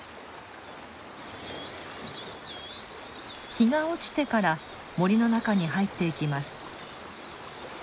日が落ちてから森の中に入っていきます。